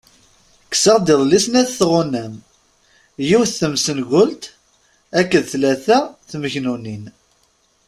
Kkseɣ-d iḍelli snat tɣunam, yiwet tmessengult akked tlala tmegnunin.